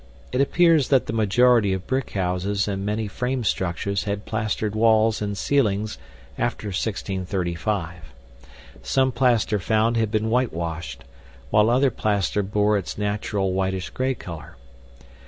It appears that the majority of brick houses and many frame structures had plastered walls and ceilings after 1635. Some plaster found had been whitewashed, while other plaster bore its natural whitish gray color.